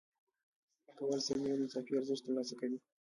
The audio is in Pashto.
پانګوال سل میلیونه اضافي ارزښت ترلاسه کوي